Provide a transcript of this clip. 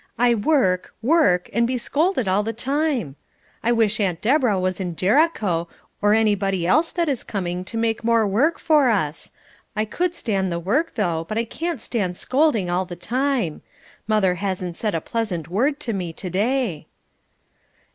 I work, work, and be scolded all the time. I wish Aunt Deborah was in Jericho, or anybody else that is coming to make more work for us. I could stand the work, though, but I can't stand scolding all the time. Mother hasn't said a pleasant word to me to day."